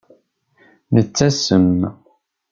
Nettasem.